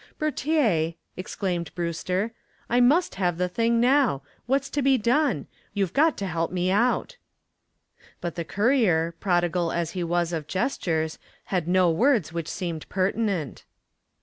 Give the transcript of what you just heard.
"Bertier," exclaimed Brewster, "I must have the thing now. What's to be done? You've got to help me out." But the courier, prodigal as he was of gestures, had no words which seemed pertinent.